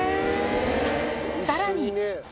さらに。